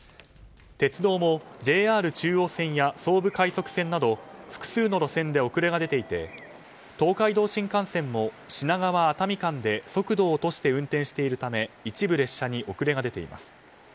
鉄道も、ＪＲ中央線や総武快速線など複数の路線で遅れが出ていて東海道新幹線も品川熱海間で速度を落として運転しているため一部列車に遅れが出ています。